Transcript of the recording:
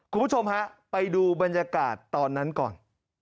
คุณผู้ชมฮะไปดูบรรยากาศตอนนั้นก่อน